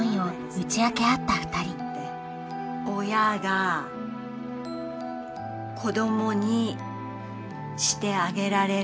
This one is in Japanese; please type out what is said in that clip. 親が子供にしてあげられるのは。